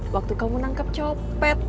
waktu kamu nangkep copet